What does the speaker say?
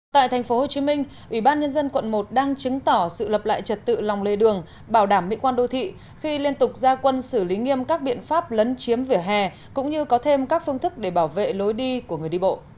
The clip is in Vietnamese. tại tp hcm ủy ban nhân dân quận một đang chứng tỏ sự lập lại trật tự lòng lề đường bảo đảm mỹ quan đô thị khi liên tục ra quân xử lý nghiêm các biện pháp lấn chiếm vỉa hè cũng như có thêm các phương thức để bảo vệ lối đi của người đi bộ